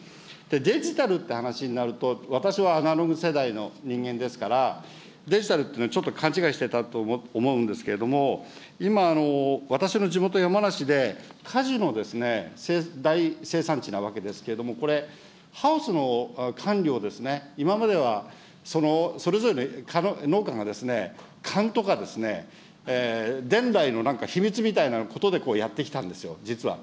デジタルという話になると、私はアナログ世代の人間ですから、デジタルというのはちょっと勘違いしていたと思うんですけれども、今、私の地元、山梨で果樹の大生産地なわけですけれども、これ、ハウスの管理を、今まではそれぞれの農家が勘とか、伝来の秘密みたいなことでやってきたんですよ、実は。